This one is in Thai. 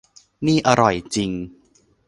นี่อร่อยจริง